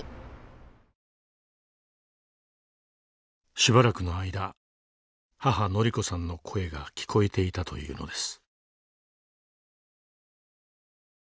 しばらくの間母範子さんの声が聞こえていたというのです。